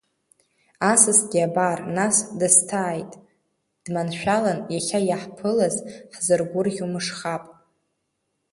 Асасгьы, абар, нас, дысҭааит дманшәалан, иахьа иаҳԥылаз ҳзыргәырӷьо мышхап!